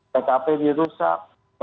pkp dirusak ya